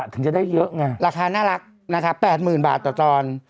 อิสระถึงจะได้เยอะไงละคราน่ารักนะคะแปดหมื่นบาทต่อตอน